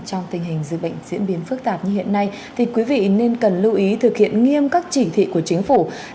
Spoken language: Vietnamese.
trong tình hình dịch bệnh diễn biến phức tạp như hiện nay thì quý vị nên cần lưu ý thực hiện nghiêm các chỉ thị của chính phủ